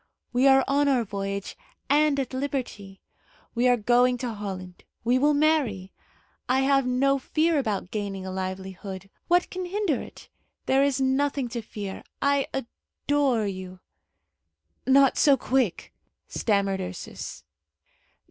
We are on our voyage, and at liberty. We are going to Holland. We will marry. I have no fear about gaining a livelihood. What can hinder it? There is nothing to fear. I adore you!" "Not so quick!" stammered Ursus.